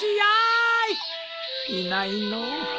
いないのう。